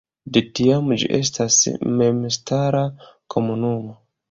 De tiam ĝi estas memstara komunumo.